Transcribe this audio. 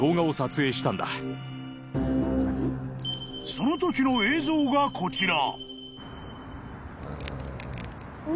［そのときの映像がこちら］